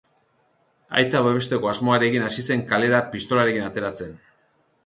Aita babesteko asmoarekin hasi zen kalera pistolarekin ateratzen.